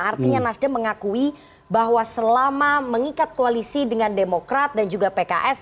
artinya nasdem mengakui bahwa selama mengikat koalisi dengan demokrat dan juga pks